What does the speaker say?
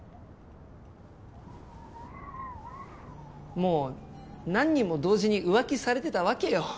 もう何人も同時に浮気されてたわけよ。